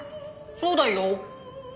そうだよ！